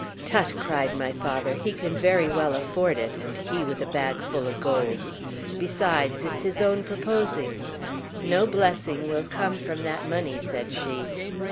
"Tut!" cried my father, "he can very well afford it, and he with a bag full of gold. Besides, it's his own proposing." "No blessing will come from that money," said she.